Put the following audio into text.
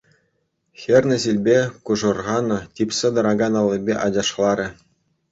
Хӗрне ҫилпе кушӑрханӑ, типсе тӑракан аллипе ачашларӗ.